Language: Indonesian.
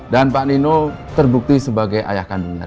dan pak nino terbukti sebagai ayah kandung nere